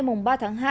mùng ba tháng hai